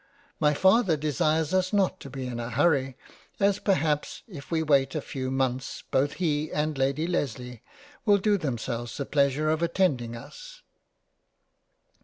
My Father desires us not to be in a hurry, as perhaps if we wait a few months both he and Lady Lesley will do themselves the pleasure of attending us.